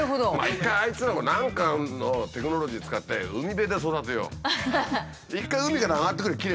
一回あいつらも何かのテクノロジー使って海辺で育てよう。